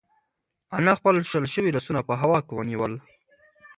انا خپل شل شوي لاسونه په هوا کې ونیول.